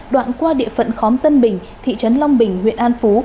đoạn qua địa phận khóm tân bình thị trấn long bình huyện an phú